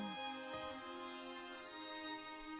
aku menoleh ke utara dan selatan